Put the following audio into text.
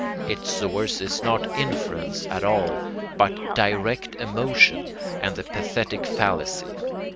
Its source is not inference at all but direct emotion and the pathetic fallacy.